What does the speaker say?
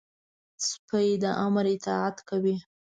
سپي د امر اطاعت کوي.